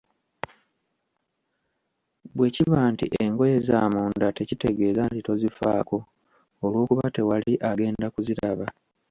Bwe kiba nti ngoye za munda tekitegeeza nti tozifaako olw'okuba tewali agenda kuziraba!